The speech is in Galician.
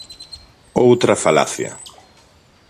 Outra falacia.